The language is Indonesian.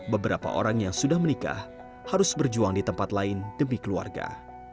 beberapa orang yang sudah menikah harus berjuang di tempat lain demi keluarga